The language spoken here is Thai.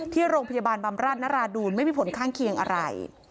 ที่โรงพยาบาลบำราชนราดูลไม่มีผลข้างเคียงอะไร